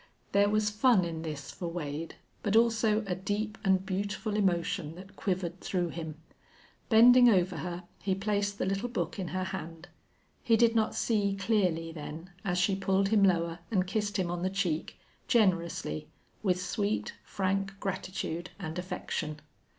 There was fun in this for Wade, but also a deep and beautiful emotion that quivered through him. Bending over her, he placed the little book in her hand. He did not see clearly, then, as she pulled him lower and kissed him on the cheek, generously, with sweet, frank gratitude and affection.